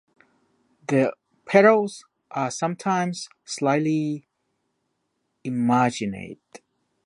The petals are sometimes slightly emarginate.